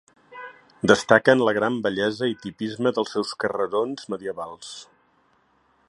Destaquen la gran bellesa i tipisme dels seus carrerons medievals.